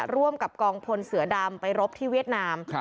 ร่วมกับกองพลเสือดำไปรบที่เวียดนาม